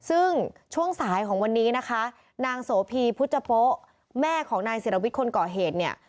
ซึ่งช่วงสายของวันนี้นะคะนางโสพีพุทธโป๊แม่ของนายศิรวิทย์คนก่อเหตุเนี่ย